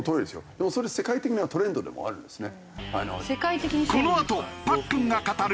でもそれ世界的なトレンドでもあるんですね。